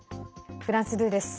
フランス２です。